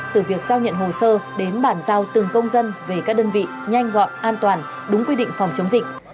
từ việc giao nhận hồ sơ đến bản giao từng công dân về các đơn vị nhanh gọn an toàn đúng quy định phòng chống dịch